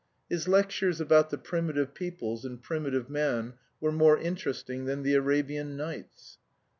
His lectures about the primitive peoples and primitive man were more interesting than the Arabian Nights.